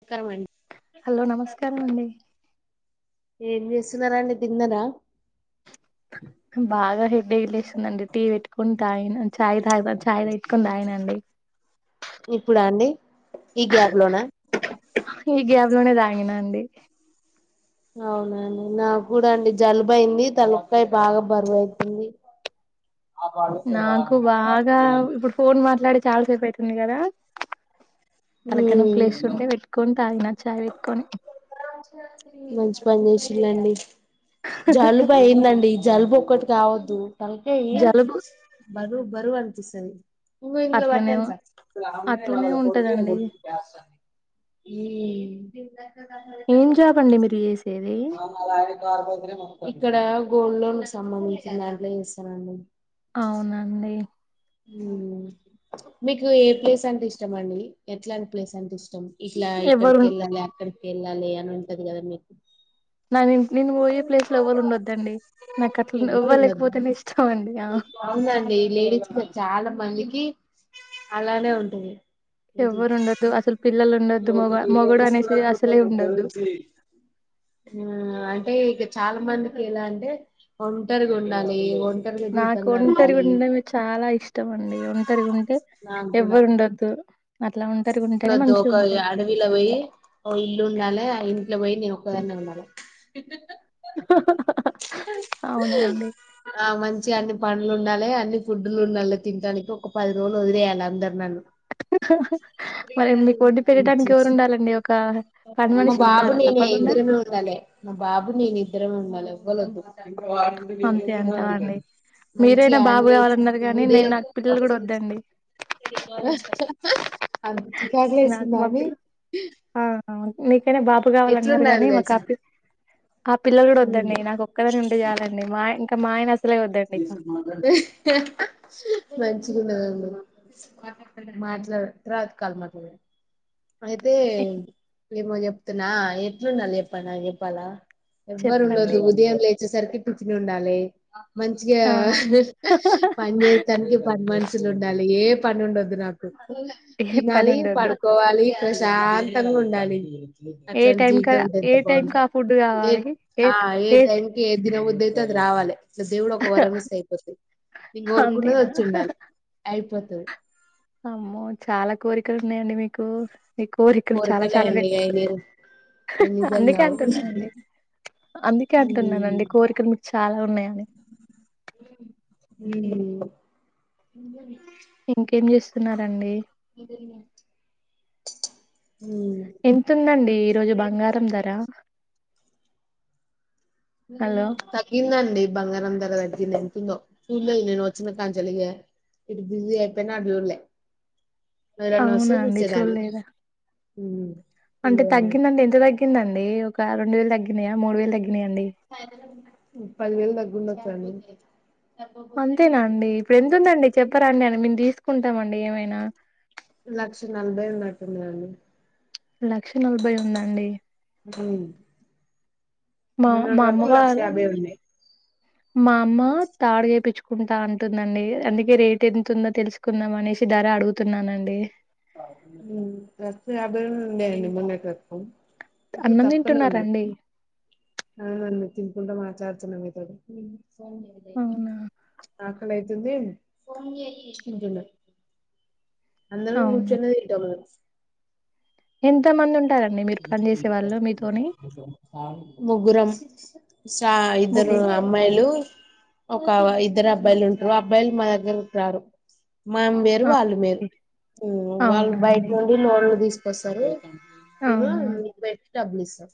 నమస్కారం అండి హలో నమస్కారం అండి. ఏం చేస్తున్నారా అండి తిన్నారా. బాగా హెడేక్ లేస్తుందండి. టీ పెట్టుకుని తాగి చాయ్ త చాయ్ పెట్టుకొని తాగనండి. ఇప్పుడా అండి, ఈ గ్యాప్ లోనా. ఈ గ్యాప్ లోనే తాగిన అండి. అవునండి నాకు కూడా అండి జలుబు అయింది. తలకాయ బాగా బరువుయితుంది. [inaudible] నాకు బాగా ఇప్పుడు ఫోన్ మాట్లాడి చాలాసేపు అయితుంది కదా. తలకాయ నొప్పి ఉమ్ లేస్తుంటే. పెట్టుకొని తాగిన చాయ్ పెట్టుకొని. మంచి పని చేసిల్లండి. జలుబు అయిందండి. జలుబు ఒక్కటి కావద్దు. తలకాయి. జలుబు బరువు బరువు అనిపిస్తది. [inaudible] హ్మ్ అట్లనే అట్లనే ఉంటదండి [unintelligible] ఏం జాబ్ అండి మీరు చేసేది వాళ్ళ ఆయన కారు తోల్తేనే నొస్తది. ఇక్కడ గోల్డ్ లోన్ కు సంబంధించిన దాంట్లే చేస్తనండి. అవునండి హ్మ్, మీకు ఏ ప్లేస్ అంటే ఇష్టం అండి ఎట్లాంటి ప్లేస్ అంటే ఇష్టం. ఇట్లా ఎవరు ఇక్కడికి వెళ్ళాలి. అక్కడికి వెళ్ళాలి అని ఉంటది కదా మీకు. నాది, నేను పోయే ప్లేస్ లో ఎవలు ఉండొద్దండి. నాకు అట్లా ఎవ్వరు ఎవ్వరుండదా, లేకపోతేనే ఇష్టం అండి ఆ అవునండి లేడీస్ కో చా. చాలా మందికి అలానే ఉంటుంది. ఎవరు ఉండద్దు. అసలు పిల్లలు ఉండొద్దు. మొగ మొగడు అనేసి అసలే ఉండద్దు. హూ, అంటే ఇక చాలా మందికి ఎలా అంటే ఒంటరిగా ఉండాలి ఒ. నాకు ఒంటరిగా ఉంటే. చాలా ఇష్టం అండి ఒంటరిగా ఉంటే. ఎవ్వరు ఉండద్దు. దు ఒక అడవిలో పోయి ఓ ఇల్లు ఉండాలి ఆ ఇంట్ల. ఆ ఇంట్లో పోయి నేనొక్కదాన్నే ఉండాలి. అవునా అండి ఆ మన్ మంచిగన్ని పనులు ఉండాలే అన్ని ఫుడ్లు ఉండాలే తినడానికి ఒక పది రోజు లోదిలేేయాలందరు నన్ను మరి మీకు వండి పెట్టడానికి ఎవరు ఉండాలండి ఒక పని మా మనిషి బాబు ఉండాలా నేనే తప్పకుండా ఇద్దరమే ఉండాలే. మా బాబు నేనిద్దరమే ఉండాలే ఎవ్వలోద్దు. అంతే అంటావా అండి [unintelligible] మంచిగ మీరైనా బాబు ఆన్ని కావాలన్నారు ఈ గానీ నేను ఉదయం నాకు పిల్లలు కూడా వద్దండి అంత చికాక్ లేస్తుందానే నీకైనా బాబు కావాలన్నారు గానీ మా కాపీ ఆ పిల్లలు కూడా వద్దండి నాకు ఒక్కదాన్నుంటే చాలండి మా ఆయ ఇంకా మా ఆయన అసలే వద్దండి ఇక మం నుంచిగుండదు మాట్లాడు తర్వాత కాల్ మాట్లాడు అయితే ఏ ఏమో చెప్తున్నా ఎట్లుండాలి చెప్పాన్నా చెప్పాలా ఎవ్వరు ఉండద్. చెప్పండి దు ఉదయం లేచేసరికి టిఫిన్ ఉండాలి. మంచిగా ఆ పని చేత్తానికి పని మనుషులుండాలి ఏం పనుండొద్దు నాకు ఏం పని తినాలి ఉండద్దు పడుకోవాలి ప్రశాంతంగుండాలి. ఏ అట్లాంటి టైం క జీవితం ఉంటే ఏ ఎంత టైం క బాగుండు ఆ ఫుడ్ ఏ కావాలి ఆ ఏ టైంకి ఏం తిన బుద్ధయితే అది రావాలి. ఇట్లా దేవుడు ఒక వరమిస్తే అయిపోతాది. నేను కోరుకున్నది అంతేనా వచ్చుండాలి అయిపోతది. అమ్మో! చాలా కోరికలున్నాయండి మీకు నీ కోరికలు చాలా కోరికలే చాలా రే అండి అయి లేవు అవి నిజం అందుకే కావు అంటున్నానండి. అందుకే అంటున్నానండి కోరికలు మీకు చాలా ఉన్నాయని మ్మ్ ఇంకేం చేస్తున్నారండి. [unintelligible] ఎంతుందండి ఈరోజు బంగారం ధర హలో తగ్గిందండి. బంగారం ధర తగ్గింది ఎంతుందో చూడ్లేదు నేను వచ్చిన కాన్నుంచి ఇలగే ఇడ బిజీ అయిపోయిన ఆడు చూడ్లే ఎవరైనా అవునా వస్తె అండి చూసేదాన్ని చూడలేదా మ్ అంటే తగ్గిందండి ఎంత తగ్గిందండి ఒక రెండు వేలు తగ్గినయా మూడు వేలు తగ్గి పదివేలు తగ్గుండొచ్చండి. అంతేనా అండి ఇప్పుడెంతుందండి చెప్పరాండి అని మేము తీసుకుంటామండి ఏమైనా లక్ష నలభై ఉన్నట్టుందండి. లక్ష నలభై ఉందాండి. హ్మ్. మా మొన్నటి మా వరకు లక్ష అమ్మవారు యాభై ఉండే. మా అమ్మ తాడు చెప్పించుకుంటా అం ంటుందండి. అందుకే రేట్ ఎంత ఉందో తెలుసుకుందాం అనేసి ధర అడుగుతున్నానండి. హ్మ్ లక్ష యాభై వేలు ఉండే అండి మొన్నటి వరకు ఇప్పుడు అన్నం తక్కువనే ఉంది. తింటున్నారండి అవునండి తిన్ కుంట మాట్లాడుతున్న మీ తోటి అవునా ఆకలైతుం ంది. తింటున్న అవునా డబల్స్ ఎంత మంది ఉం ముగ్గురం శ్రా ఇద్దరు ముగ్గురు అమ్మాయిలు ఒక ఇద్దరు అబ్బాయిలుంటారు అబ్బాయిలు మా దగ్గర్కి రారు. మనం వేరు ఆ! వాళ్ళు వేరు ఊ వాళ్ళు బయట అవునండి నుండి లోన్లు తీసుకొస్తారు అవునా నేను బైట డబ్బులు ఇస్తా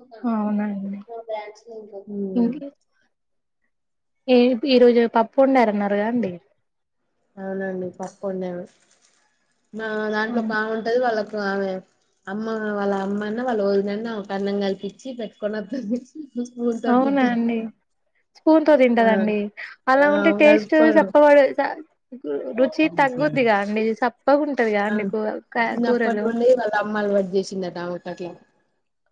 ఒక అవునండి మా బ్యాచ్ లో ఇంకొక ఊ ఏంటి ఈరోజు పప్పు వండా అన్నారుగా అండి అవునండి పప్పు వండాను మా దాంట్లో బాగుంటది వాళ్ళకు ఆమె అమ్మ వాళ్ళ అమ్మన్న వాళ్ళ వదినన్న అన్నం కలిపి ఇచ్చి పెట్టుకుని వత్తాది అవునా [unintelligible] అండి స్పూన్ తో తింటాడండి ఆ అలా ఉంటే టేస్ట్ కలుపుకోవడం చప్పబడు కు రుచి తగ్గుద్దిగా అండి చప్పకుంట ఆ చిన్నప్పటినుండి వాళ్ళ అమ్మ అలవాటు చేసిందట ఆమెకు అట్లా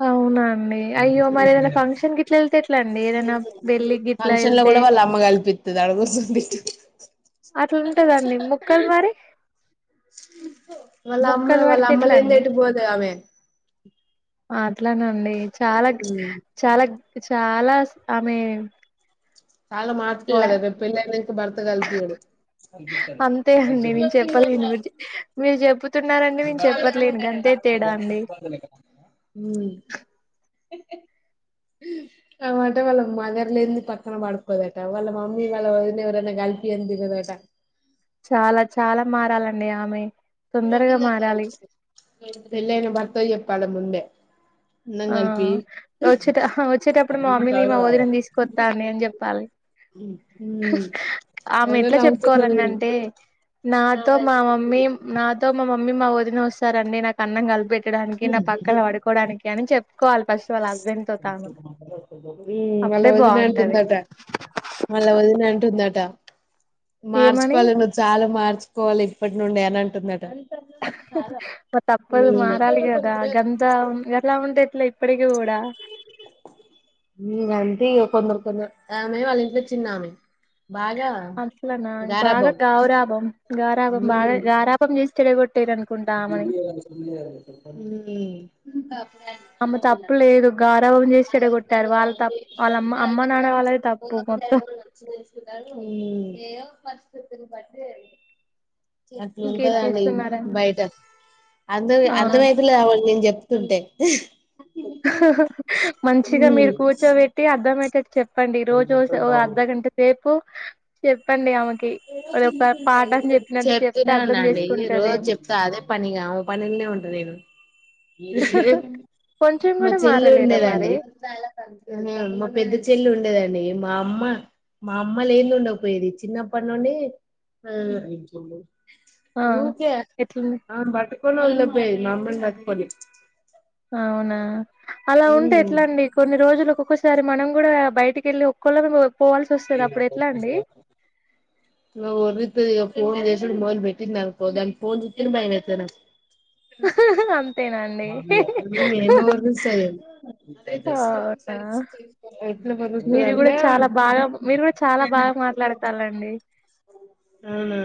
అవునా అండి అయ్యో మరి ఏదైనా ఫంక్షన్ గిట్లా వెళ్తే ఎట్ల అండి ఏదైనా పెళ్లి గిట్లా ఫంక్షన్ లో వెళ్తే వాళ్ళ అమ్మ కలిపిత్తది ఆడ కూర్చొబెట్టి అట్లుదండి ముక్కలు మరి వాళ్ళ అమ్మ ముక్కలు వాళ్ళ పడితే అమ్మ ఎట్లా లేనిది అండి ఎటు పోదు అమె అట్లానండి చాలా చాలా చాలా ఆమె చాలా లా మార్చకోవాలి రేపు పెళ్ళి అయ్యినంకా భర్త కలిపియడు అంతే అండి నేను చెప్పలేను మీరు చెప్పుతున్నారండి నేను చెప్పట్లేదు అంతే తేడా అండి ఊ ఆ మాట వాళ్ళ మదర్ లేనిది త పక్కన పడుకోదట వాళ్ళ మమ్మీ వాళ్ళ వదినా ఎవరైనా కలిపియనిది తినదు ఆట చాలా చాలా మారాలండి ఆమె తొందరగా మారాలి పెళ్లయ్యానా భర్తకు చెప్పాల ముందే అన్నం ఆ కలిపి వచ్చేట వచ్చేటప్పుడు మా మమ్మీని మా వదిన తీసుకొస్తాను అని చెప్పాలి ఉమ్ ఆమె అదే ఎట్లా నవ్వుతున్నది చెప్పుకోవాలన్నా అంటే నాతో మా మమ్మీ నాతో మా మమ్మీ మా వదిన వస్తారండి నాకు అన్నం కలిపి పెట్ట డానికి నా పక్కన పడుకోవడానికి అని చెప్పుకోవాలి ఫస్ట్ వాళ్ళ హస్బెండ్ తో తాను ఉమ్ వాళ్ళ అప్పుడే వదిన బాగుంటాది అంటుందట వాళ్ళ వదిన అంటుందట ఏమని మార్చుకోవాలి నువ్వు చాలా మార్చుకోవాలి ఇప్పటి నుండే అని అంటుందట ఇంగ తప్పదు ఉమ్ మారాలీ గదా గంత ఉ గలా ఉంటె ఉ గంతే ఇగ [unintelligible] ఆమె వాళ్ళ ఇంట్లో చిన్న ఆమె అట్లానా బాగా గౌరాభం గారాబం బాగా గారాబం చేసి చెడ ఊ ఆమే తప్పు లేదు గా [unintelligible] తెలుసుకున్నాను అమ్మ అమ్మ నాన్న వాళ్ళది తప్పు మొత్తం ఊ ఏదో పరిస్థితులు బట్టి ఇంకేం అట్లుంటదండి చేస్తున్నారని బయట అ ఆ అర్థమైత లేదు నేను చెప్ తుంటే మంచిగా మీరు కూర్చోబెట్టి అర్ధంమయ్యేటట్టు చెప్ప చెప్పండి రోజుఓ అర్ధగంట సేపు చెప్పండి ఆమెకి ఒక పాఠం చెప్పినట్టు చెప్తే చెప్తూనే ఉన్న అర్థం అండి రోజు చేసుకుంటదేమో చెప్త అదే పనిగా ఓ పని ఉంటాది నేను కొంచెం మా కూడా చెల్లి మారలేదా ఉండేదండి మరి మా పెద్ద చెల్లి ఉండేదండి మా అమ్మ మా అమ్మ లేనీది ఉండకపోయేది చిన్నప్పటి నుండి ఆ ఊకే ఎట్లుంది ఆమే నీ బట్టుకొని వదలకపోయేది మమ్మని పట్టుకొని అవునా అలా ఇగ ఉంటే ఎట్లా అండి కొన్ని రోజులు ఒక్కసారి మనం కూడా బయటికి వెళ్ళి ఒక్కళ్ళ మ ఒర్రితది ఫోన్ చేసుడు మొదలుపెట్టిందనుకో దాని ఫోన్ చుతనే భయమైతది నాకు అంతేనా అండి ఉమ్ ఏమో వర్రిస్తది అవునా ఎట్లా మీరు కూడా వదురుతదంటే చాలా బాగా మీరు కూడా చాలా బాగా మాట్లాడతండ్లు అండి అవునా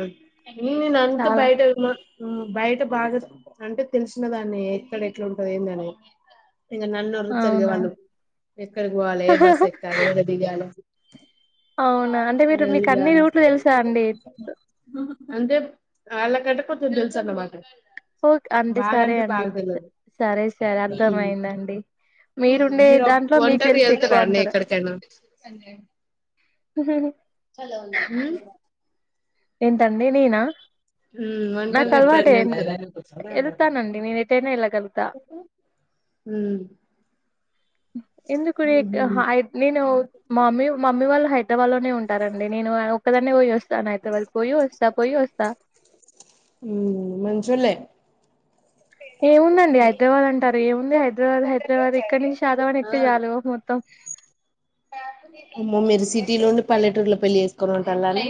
ఇను అంత చాలా బయట బయట బాగా అంటే తెలిసిన దాన్ని ఎక్కడ ఎట్లా ఉంటది ఏంద అనేది ఇంకా నన్ను ఒర్రితరు ఇగ అవునా వాళ్ళు ఎక్కడికి పోవాలి ఏ బస్సు ఎక్కాలి ఎడ దిగాలి ఆ అవునా అంటే మీరు మీకు ఇది అన్ని రూట్లు తెలుసా అండి అంతే అల్ల కంటే కొంచెం తెలుసన్నమాట ఓ అంటే సరే అండి సరే సరే అర్థం అయిందండి మీరు ఒంటరి వెళ్తారా అండి అంటారు ఎక్కడికైనా చల్లగా ఉంద ఉమ్ సండే నేనా ఉమ్ నాకు ఒంటరిగా అలవాటు ఎప్పుడైనా ఏ అన్ వెళ్తారా వెలుతానండి నేను ఎటైనా వేలా గలుగుతా మ్మ్ ఎందుకుడి నేను మమ్మీ మమ్మీ వాల్ళ హైదరాబాద్ లోనే ఉంటారండి నేను ఒక్కాదన్నే పోయిస్తాను వారకు పోయి వస్త పోయి వస్త ఉమ్ మంచోళ్ళే ఏముందండి హైదరాబాద్ అంటారు ఏముంది హైదరాబాద్ హైదరాబాద్ ఇక్కడ నుంచి శాతవాహన ఎక్కితే చాలు మొత్తం అమ్మో మీరు సిటీలొండి పల్లెటూర్లో పెళ్లి చేసుకొని ఉంటలాండి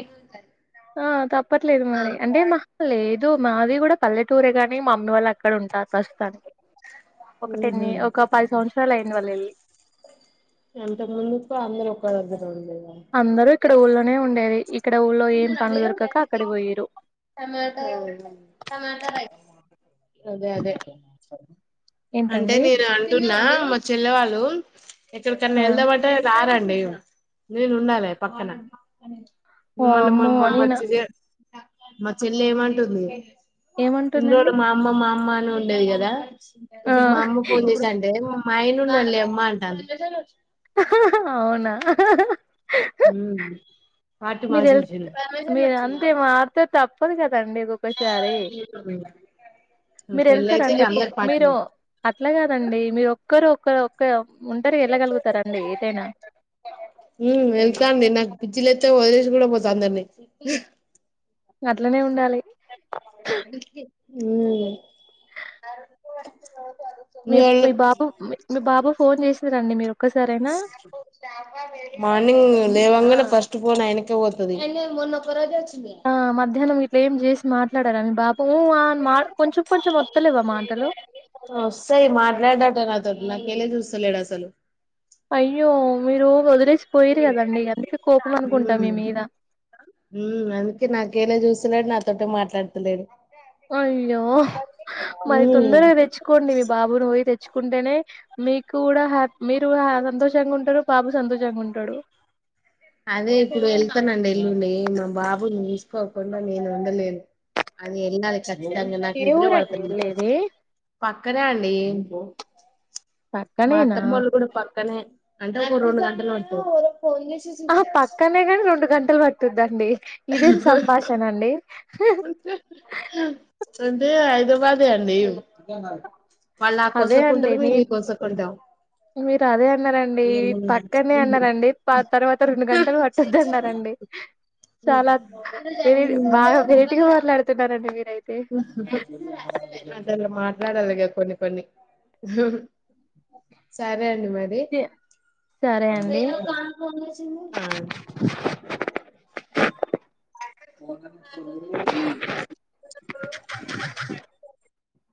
ఆ తప్పట్లేదు మరి అంటే మా ఒళ్ళే ఇ మాది కూడా పల్లెటూరే కాని మా మమ్మీ వాళ్ళు అక్కడ ఉంటారు ప్రస్తుతానికి ఒక టెన్ ఉహు ఒక పది సంవత్సరాలు అయింది వాళ్ళు వెళ్ళి ఎంత ముందుకు అందరు ఒక్క దగ్గ అందరూ ఇక్కడ ఊళ్ళోనే ఉండేది ఇక్కడ ఊళ్ళో ఎ ఏం పనులు మీరు దొరకక అక్కడికి పోయిరు టమాట టమాటా రైస్ అదే అదే అంటే ఏంటండి నేను అంటున్నా చెల్లె వాళ్ళు ఇక్కడికన్నా ఆ వెళ్దామంటే రారు నేను ఉండాలే పక్కన మళ్ళ వామ్మో మో వచ్చ నేనా మా చెల్ల ఏమంటుంది ఎన్ని రోజులు ఏమంటుందండి మా అమ్మ మా అమ్మను ఉండేది కదా ఆ ఇప్పుడు మా అమ్మ ఫోన్ చేసి ఇప్పుడు అంటే మా ఆయనుడు లే అమ్మ అంటాది అవునా పార్టీ మీరుళ్ మార్చేసిండు మీరు అంతే మార్తే తప్పు తప్పదు కదండి ఒక్కొక్కసారి మీరు పెళ్ళయితే వెళ్తారండి ఇగ ఎప్పు అందరు పార్టీ మీరు అట్లా కాదండి మీరు ఒక్కరు ఒకరు ఒక్క ఒంటరిగా వెళ్ళగలుగుతారండి ఏటైనా ఉమ్ వెళ్తండు పిచ్చి లేతే వదలేసి కూడా పోతా అందరిని అట్లనే ఉండాలి ఉమ్ మీ మీ బాబు మీ బాబు ఫోన్ చేసిరా రండి మీరు ఒక్కసారైనా మార్నింగ్ లేవాంగానే ఫస్ట్ ఫోన్ ఆయనకే పోతది ఆ మధ్యాహ్నం ఇట్లా ఏం చేసి మాట్లాడారని బాబు ఉ ఆ అని మా కొంచెం కొంచెం వత్తలేవా మాటలు నా కేలే చూస్త లేడు అసలు అయ్యో మీరు వదిలే సి పోయిరు కదండి అందుకే కోపం అనుకుంటా ఉమ్ మీ మీద చిన్నోడు నాతోటే మాట్లాడుతలేడు అయ్యో మరి ఉమ్ తొందరగా తెచ్చుకోండి మీ బాబును పోయి తెచ్చు తెచ్చుకుంటేనే మీకు కూడా హ్యాపి మీరు సంతోషంగా ఉంటారు బాబు సంతోషంగా ఉంటాడు అదే ఇప్పుడు వెళ్తానండి ఎల్లుండి మా బాబుని చూసుకోకుండా నేను ఉండలేను అది ఎలీనా చక్కగ తిన్నా ఏ నిదురే పడత ఊరండి లేదు వెళ్ళేది పక్కనే అండి ఇ మా పక్కనేనా అత్తమ్మ వాళ్ళు కూడా పక్కనే అంటే ఒక రెండు గంటలు అనుకో ఆ పక్కనే కాని రెండు గంటలు పట్టుదా అండి ఇదేం సంభాషణ అండి అంటే హైదరాబాదే అండి వాళ్ళు ఆ అదే కోసకు అండి ఉంటారు నే మేము మీ కోసకు ఉంటాం మీరు అదే అన్నారండి పక్కనే అన్నారండి తర్వాత రెండు గంటలు పట్టుది అన్నారండి ఉమ్ గట్టిగా మాట్లాడుతున్నారండి మీరు అయి ఉహుహు మాటల్ లేవ్ మాట్లాడాలిగా కొన్ని కొన్ని సరే అం డి మరి సరే అండి ఆ ఉమ్